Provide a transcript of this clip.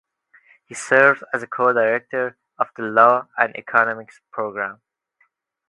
He serves as co-director of the Law and Economics Program.